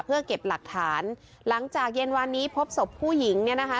เพื่อเก็บหลักฐานหลังจากเย็นวันนี้พบศพผู้หญิงเนี่ยนะคะ